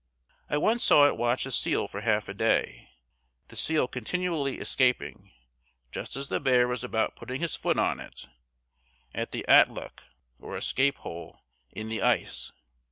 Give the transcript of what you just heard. I once saw it watch a seal for half a day, the seal continually escaping, just as the bear was about putting his foot on it, at the atluk (or escape hole) in the ice.